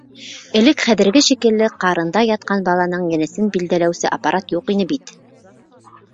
Элек хәҙерге шикелле ҡарында ятҡан баланың енесен билдәләүсе аппарат юҡ ине бит.